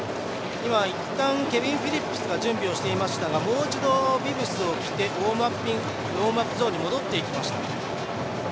いったんケビン・フィリップスが準備をしていましたがもう一度、ビブスを着てウオームアップゾーンに戻っていきました。